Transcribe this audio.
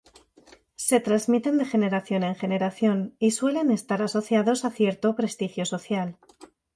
Se transmiten de generación en generación y suelen están asociados a cierto prestigio social.